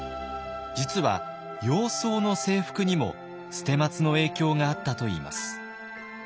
実は洋装の制服にも捨松の影響があったといいます。